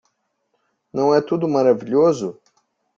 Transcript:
Não é tudo maravilhoso?